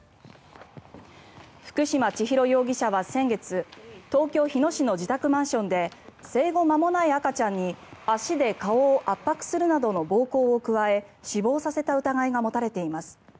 福島千尋容疑者は先月東京・日野市の自宅マンションで生後間もない赤ちゃんに足で顔を圧迫するなどの暴行を加え死亡させた疑いが持たれています。